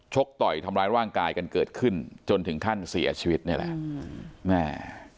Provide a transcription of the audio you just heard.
ต่อยทำร้ายร่างกายกันเกิดขึ้นจนถึงขั้นเสียชีวิตนี่แหละแม่